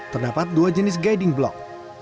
terdapat dua jenis guiding block